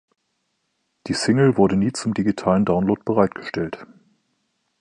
Die Single wurde nie zum digitalen Download bereitgestellt.